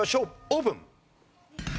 オープン。